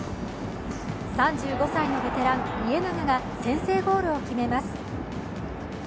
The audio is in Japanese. ３５歳のベテラン、家長が先制ゴールを決めます。